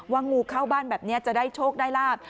งูเข้าบ้านแบบนี้จะได้โชคได้ลาบ